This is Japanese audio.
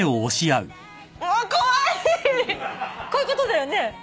こういうことだよね？